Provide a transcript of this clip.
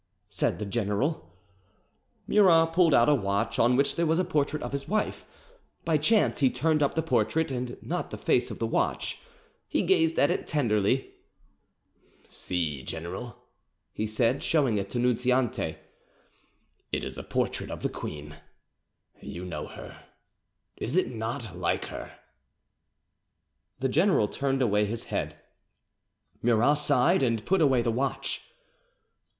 said the general. Murat pulled out a watch on which there was a portrait of his wife; by chance he turned up the portrait, and not the face of the watch; he gazed at it tenderly. "See, general," he said, showing it to Nunziante; "it is a portrait of the queen. You know her; is it not like her?" The general turned away his head. Murat sighed and put away the watch.